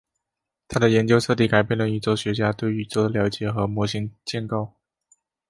她的研究彻底改变了宇宙学家对宇宙的了解和模型建构。